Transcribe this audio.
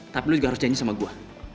tapi lu juga harus janji sama gua